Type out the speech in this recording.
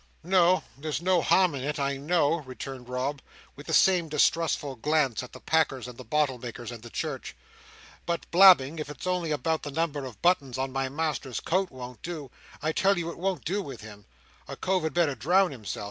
"No, there's no harm in it, I know," returned Rob, with the same distrustful glance at the packer's and the bottle maker's, and the church; "but blabbing, if it's only about the number of buttons on my master's coat, won't do. I tell you it won't do with him. A cove had better drown himself.